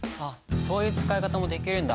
そういう使い方もできるんだ。